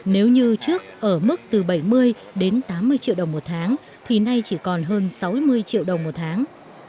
nếu như trước ở mức từ bảy mươi đến tám mươi triệu đồng một tháng thì nay chỉ còn hơn sáu mươi triệu đồng một tháng